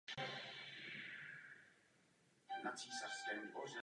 Stejně tak sekretář jižního departmentu byl označován jako ministr vnitra.